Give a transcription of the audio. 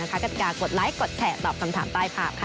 กติกากดไลค์กดแชร์ตอบคำถามใต้ภาพค่ะ